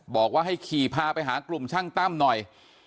บอกว่าให้ขี่พาไปหากลุ่มช่างตั้มหน่อย